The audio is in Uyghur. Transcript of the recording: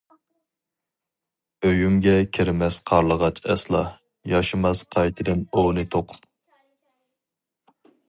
ئۆيۈمگە كىرمەس قارلىغاچ ئەسلا، ياشىماس قايتىدىن ئوۋنى توقۇپ.